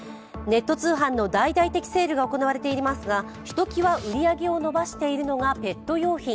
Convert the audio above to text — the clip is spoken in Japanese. ネット通販の大々的セールが行われていますが、ひときわ売り上げを伸ばしているのがペット用品。